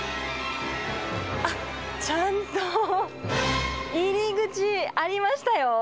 あっ、ちゃんと入り口ありましたよ。